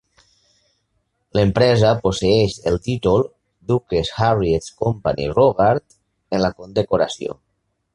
L'empresa posseeix el títol "Duchess Harriet's Company Rogart" en la condecoració.